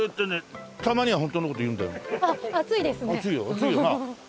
熱いよな。